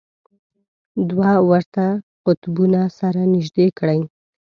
دوه ورته قطبونه سره نژدې کړئ.